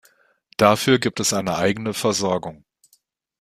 Dafür gibt es eine eigene Versorgung.